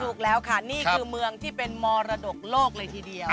ถูกแล้วค่ะนี่คือเมืองที่เป็นมรดกโลกเลยทีเดียว